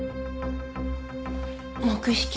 黙秘権。